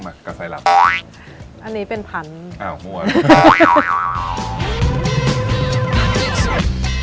ส้มส้มกับไซรัมอันนี้เป็นพันธุ์อ้าวมั่วอ่ะ